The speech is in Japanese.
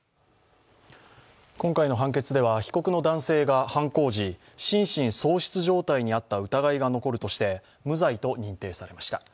今回の判決では被告の男性が犯行時、心神喪失状態にあった疑いが残るとして無罪と認定されました。